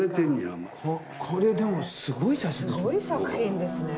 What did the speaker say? これでもすごい写真ですね。